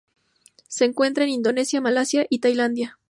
Se encuentra en Indonesia, Malasia y Tailandia.